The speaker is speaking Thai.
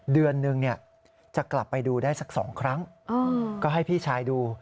เดือนนึงจะกลับไปดูได้สัก๒ครั้งก็ให้พี่ชายดู